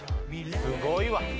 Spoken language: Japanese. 「すごいわ」